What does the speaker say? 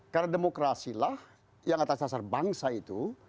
karena demokrasilah yang atas dasar bangsa itu